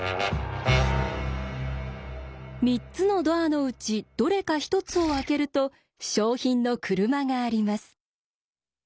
３つのドアのうちどれか１つを開けると賞品の車があります。